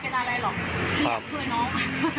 คืออยากช่วยน้อง